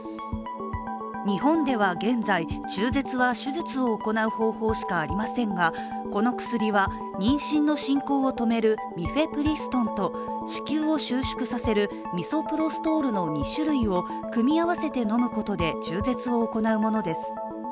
日本では現在、中絶は手術を行う方法しかありませんが、この薬は妊娠の進行を止めるミフェプリストンと、子宮を収縮させるミソプロストールの２種類を組み合わせて飲むことで中絶を行うものです。